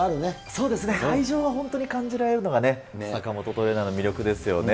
そうですね、愛情は本当に感じられるのがね、坂本トレーナーの魅力ですよね。